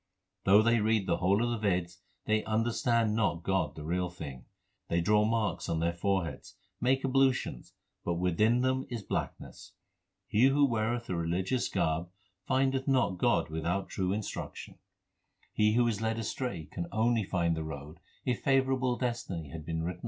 Though they read the whole of the Veds, they understand not God the real thing. They draw marks on their foreheads, make ablutions, but within them is blackness. He who weareth a religious garb findeth not God without true instruction. 1 That is, let me give God a place in my eyes.